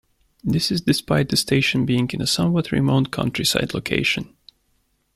This is despite the station being in a somewhat remote countryside location.